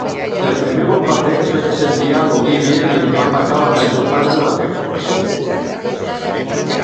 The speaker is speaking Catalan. El primer bombardeig va incendiar l'"Olivia" i en va matar la major part de la tripulació.